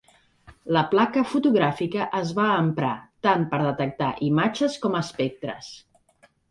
La placa fotogràfica es va emprar tant per detectar imatges com espectres.